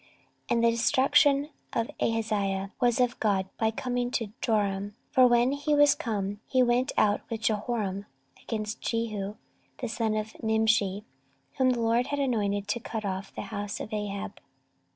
14:022:007 And the destruction of Ahaziah was of God by coming to Joram: for when he was come, he went out with Jehoram against Jehu the son of Nimshi, whom the LORD had anointed to cut off the house of Ahab.